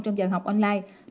trong giờ học online